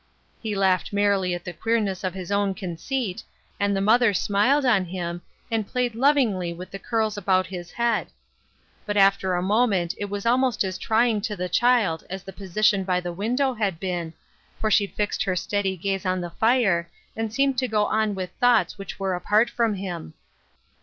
" He laughed merrily at the queerness of his own conceit, and the mother smiled on him, and played AFTER SIX YEARS. 3 lovingly with the curls about his head ; but after a moment it was almost as trying to the child as the position by the window had been, for she fixed her steady gaze on the fire, and seemed to go on with thoughts which were apart from him.